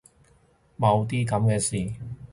冇啲噉嘅事